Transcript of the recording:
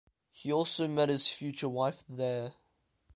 He also met his future wife there.